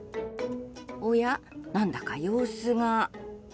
おや、何だか様子が。